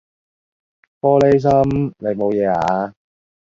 玻璃心，你冇嘢啊？